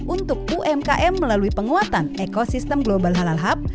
untuk umkm melalui penguatan ekosistem global halal hub